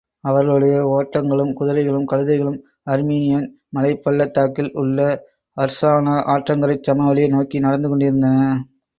அவர்களுடைய ஒட்டகங்களும், குதிரைகளும், கழுதைகளும் அர்மீனியன் மலைப்பள்ளத்தாக்கில் உள்ள அர்சானா ஆற்றங்கரைச் சமவெளியை நோக்கி நடந்து கொண்டிருந்தன.